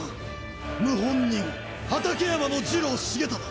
謀反人畠山次郎重忠